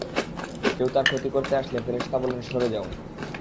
কেউ তার ক্ষতি করতে আসলে ফেরেশতা বলেন, সরে যাও।